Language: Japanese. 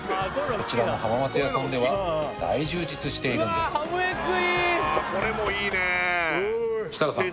こちらの浜松屋さんでは大充実しているんです設楽さん